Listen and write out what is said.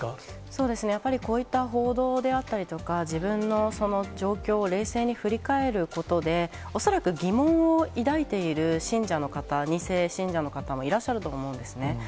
そうですね、やはりこういった報道であったりとか、自分の状況を冷静に振り返ることで、恐らく疑問を抱いている信者の方、２世信者の方もいらっしゃると思うんですね。